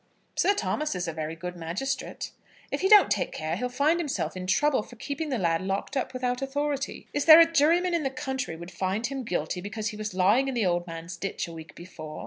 "Sir Thomas is a very good magistrate." "If he don't take care, he'll find himself in trouble for keeping the lad locked up without authority. Is there a juryman in the country would find him guilty because he was lying in the old man's ditch a week before?"